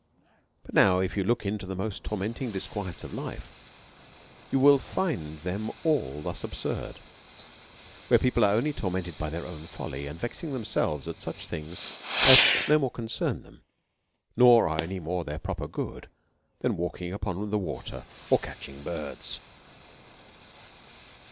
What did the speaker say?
But now, if you look into all the most torment ing disquiets of Hfe, you will tind them thus absurd ; where people are only tormented by their own folly, and vexing themselves at such things as no more con cern them, nor are any more their proper good, than walking upon the water, or catching birds.